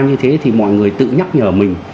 như thế thì mọi người tự nhắc nhở mình